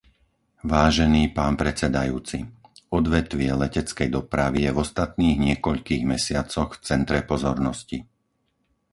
Vážený pán predsedajúci, odvetvie leteckej dopravy je v ostatných niekoľkých mesiacoch v centre pozornosti.